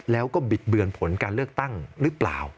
แล้วก็บิดเบือนผลการเลือกตั้งหรือเปล่า